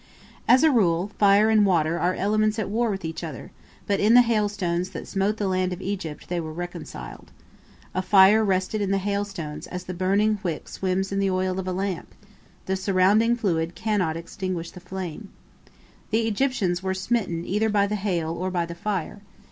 As a rule, fire and water are elements at war with each other, but in the hailstones that smote the land of Egypt they were reconciled. A fire rested in the hailstones as the burning wick swims in the oil of a lamp; the surrounding fluid cannot extinguish the flame. The Egyptians were smitten either by the hail or by the fire.